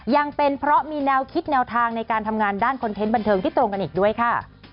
ยังเป็นเพราะมีแนวคิดแนวทางในการทำงานด้านคอนเทนต์บันเทิงที่ตรงกันอีกด้วยค่ะ